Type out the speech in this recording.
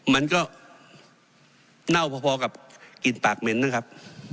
มันก็เน่าพอกับกลิ่นปากเหม็นนะครับ